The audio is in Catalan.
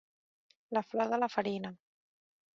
La flor de la farina.